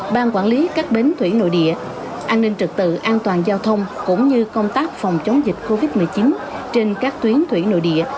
ban quản lý các bến thủy nội địa an ninh trực tự an toàn giao thông cũng như công tác phòng chống dịch covid một mươi chín trên các tuyến thủy nội địa